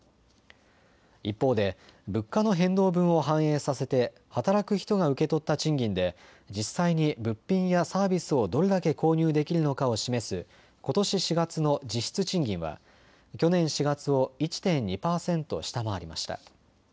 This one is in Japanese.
一方で物価の変動分を反映させて働く人が受け取った賃金で実際に物品やサービスをどれだけ購入できるのかを示すことし４月の実質賃金は去年４月を１．２％下回りました。